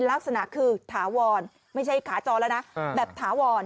ลักษณะคือถาวรไม่ใช่ขาจรแล้วนะแบบถาวร